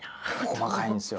細かいんですよ。